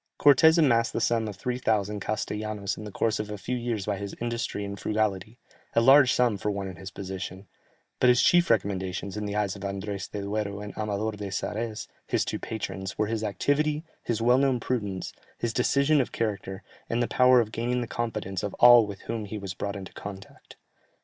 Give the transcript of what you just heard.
Cortès amassed the sum of 3000 castellanos in the course of a few years by his industry and frugality, a large sum for one in his position, but his chief recommendations in the eyes of Andrès de Duero and Amador de Sarès his two patrons, were his activity, his well known prudence, his decision of character, and the power of gaining the confidence of all with whom he was brought into contact.